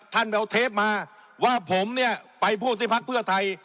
ไปเอาเทปมาว่าผมเนี่ยไปพูดที่พักเพื่อไทย